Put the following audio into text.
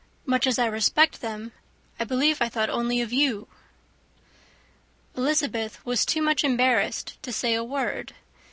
Much as I respect them, I believe I thought only of you." Elizabeth was too much embarrassed to say a word.